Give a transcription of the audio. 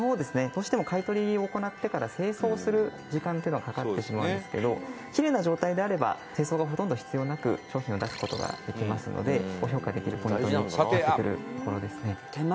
どうしても買い取りを行ってから清掃する時間というのがかかってしまうんですけどきれいな状態であれば清掃がほとんど必要なく商品を出す事ができますので評価できるポイントになってくるところですね」